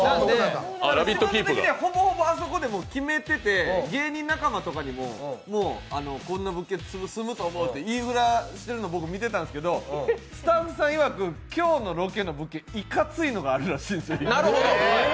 ほぼほぼあそこで決めてて、芸人仲間とかにも、こんな物件に住むと思うと言いふらしてるの知ってるんですけど、スタッフさんいわく、今日のロケの物件、いかついのがあるらしいんですよ。